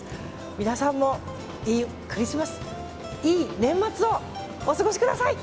皆さんもいいクリスマスいい年末をお過ごしください。